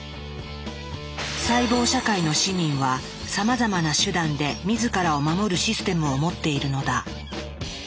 細胞社会の市民はさまざまな手段で自らを守るシステムを持っているのだ。